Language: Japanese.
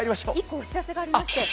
１個、お知らせがあります。